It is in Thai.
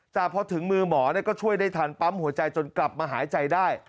แต่พอถึงมือหมอก็ช่วยได้ทันปั๊มหัวใจจนกลับมาหายใจได้